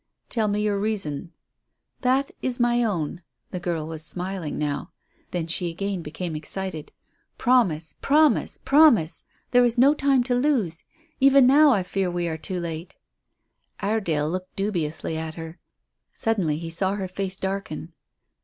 "Tell me your reason." "That is my own." The girl was smiling now. Then she again became excited. "Promise, promise, promise! There is no time to lose. Even now I fear we are too late." Iredale looked dubiously at her. Suddenly he saw her face darken.